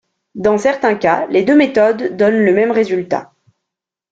Dans certains cas, les deux méthodes donnent le même résultat.